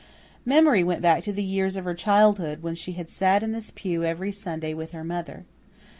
Memory went back to the years of her childhood when she had sat in this pew every Sunday with her mother.